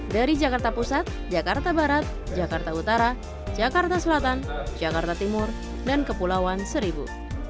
dari jakarta pusat jakarta barat jakarta utara jakarta selatan jakarta timur dan kepulauan seribu